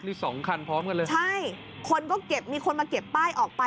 นี่๒คันพร้อมกันเลยใช่มีคนมาเก็บป้ายออกไป